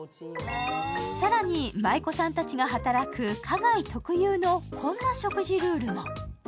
更に、舞妓さんたちが働く花街特有のこんな食事ルールも。